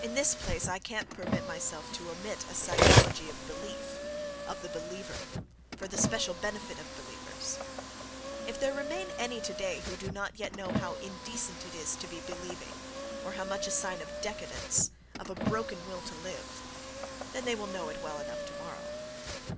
—In this place I can't permit myself to omit a psychology of "belief," of the "believer," for the special benefit of "believers." If there remain any today who do not yet know how indecent it is to be "believing"—or how much a sign of décadence, of a broken will to live—then they will know it well enough tomorrow.